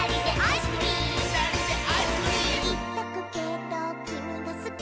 「いっとくけどきみがすき」